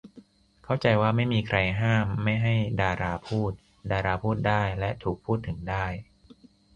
เข้าใจว่าไม่มีใครห้ามไม่ให้ดาราพูด ดาราพูดได้ และถูกพูดถึงได้